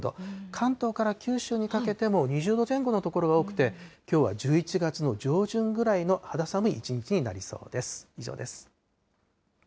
関東から九州にかけても２０度前後の所が多くて、きょうは１１月の上旬ぐらいの肌寒い一日になりそうです。